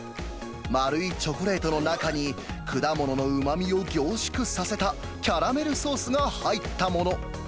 丸いチョコレートの中に、果物のうまみを凝縮させたキャラメルソースが入ったもの。